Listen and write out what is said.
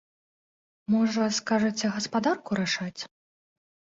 Можа, скажаце, гаспадарку рашаць?